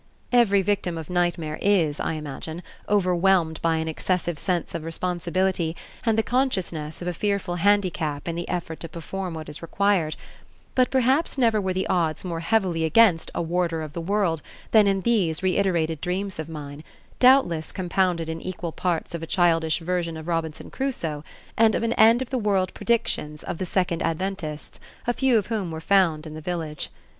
Every victim of nightmare is, I imagine, overwhelmed by an excessive sense of responsibility and the consciousness of a fearful handicap in the effort to perform what is required; but perhaps never were the odds more heavily against "a warder of the world" than in these reiterated dreams of mine, doubtless compounded in equal parts of a childish version of Robinson Crusoe and of the end of the world predictions of the Second Adventists, a few of whom were found in the village.